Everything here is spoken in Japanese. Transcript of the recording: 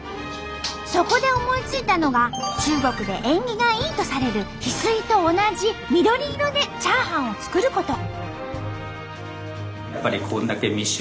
そこで思いついたのが中国で縁起がいいとされる翡翠と同じ緑色でチャーハンを作ること。